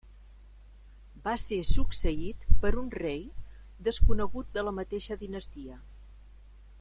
Va ser succeït per un rei desconegut de la mateixa dinastia.